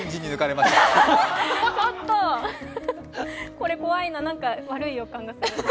これ怖いな、悪い予感がする。